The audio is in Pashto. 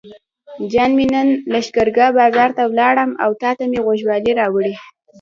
جان مې نن لښکرګاه بازار ته لاړم او تاته مې غوږوالۍ راوړې.